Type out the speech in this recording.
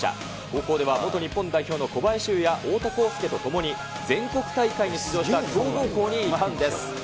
高校では元日本代表の小林悠や太田宏介と共に、全国大会に出場した強豪校にいたんです。